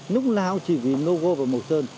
lúc nào chỉ vì logo và màu sơn